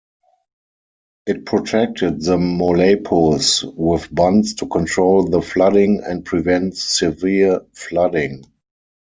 It protected the "molapo's" with bunds to control the flooding and prevent severe flooding.